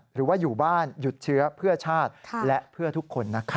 หรือว่าอยู่บ้านหยุดเชื้อเพื่อชาติและเพื่อทุกคนนะครับ